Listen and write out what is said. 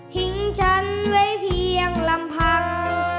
ฉันไว้เพียงลำพัง